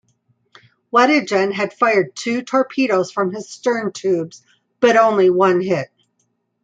Weddigen had fired two torpedoes from his stern tubes, but only one hit.